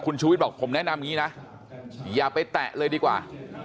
ชูวิทย์บอกผมแนะนำอย่างนี้นะอย่าไปแตะเลยดีกว่า